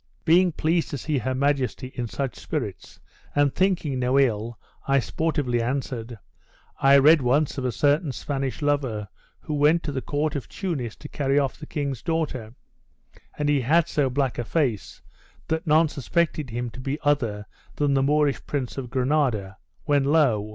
Being pleased to see her majesty in such spirits, and thinking no ill, I sportively answered, 'I read once of a certain Spanish lover, who went to the court of Tunis to carry off the king's daughter; and he had so black a face, that none suspected him to be other than the Moorish Prince of Granada; when lo!